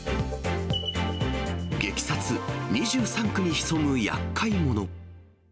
激撮、２３区に潜むやっかい者。